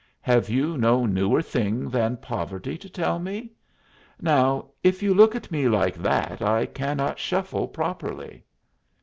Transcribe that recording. "Have you no newer thing than poverty to tell me? Now if you look at me like that I cannot shuffle properly."